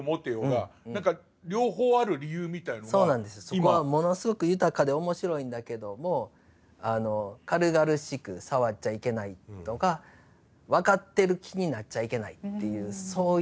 そこはものすごく豊かで面白いんだけどもあの軽々しく触っちゃいけないとか分かってる気になっちゃいけないっていうそういうことが。